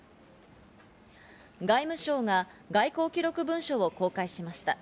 外務省が外交記録文書を公開しました。